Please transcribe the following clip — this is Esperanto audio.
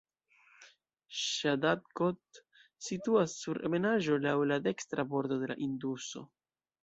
Ŝahdadkot situas sur ebenaĵo laŭ la dekstra bordo de la Induso.